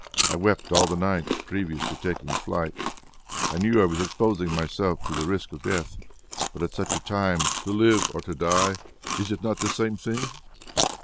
I wept all the night, previous to taking flight; I knew I was exposing myself to the risk of death. But at such a time, to live or to die is it not the same thing?